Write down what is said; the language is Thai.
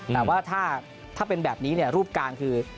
แต่ว่าถ้าเป็นแบบนี้รูปการคือ